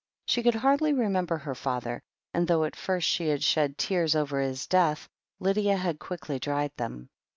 She could hardly remember her father, and though at first she had shed tears over his death, Lydia had quickly dried them.